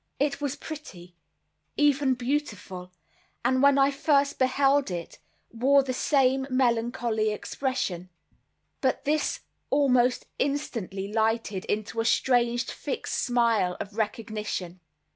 It was pretty, even beautiful; and when I first beheld it, wore the same melancholy expression. But this almost instantly lighted into a strange fixed smile of recognition.